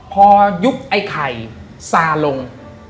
พอยุคไอ้ไข่สารละที